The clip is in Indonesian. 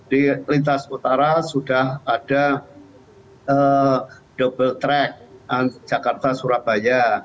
di lintas utara sudah ada double track jakarta surabaya